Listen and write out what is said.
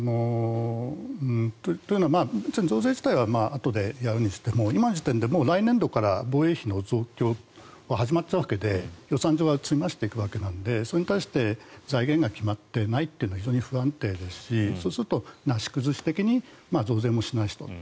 というのは、増税自体はあとでやるにしても今の時点で来年度から防衛費の増強は始まっちゃうので予算上は積み増していくわけでそれに対して財源が決まっていないというのは非常に不安定ですしそうするとなし崩し的に増税もしないしと。